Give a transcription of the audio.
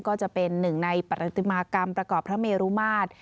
ก็จะเป็นหนึ่งในปฏิมากรรมประกอบพระเมรุมาตร